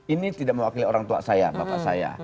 ini tidak mewakili orang tua saya bapak saya